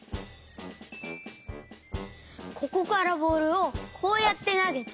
ここからボールをこうやってなげて。